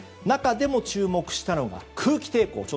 中でも注目したのが空気抵抗。